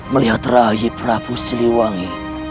melihat raih prabu siliwangi